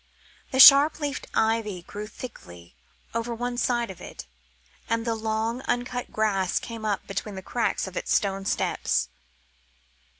The sharp leafed ivy grew thickly over one side of it, and the long, uncut grass came up between the cracks of its stone steps.